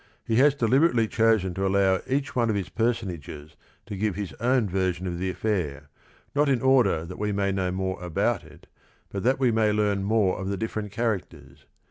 He has deliberately chosen to allow each one of his personages to give his own version of the affair, not in order that we may know more about it, but that we may learn more of— the differen t cha r ac ter s.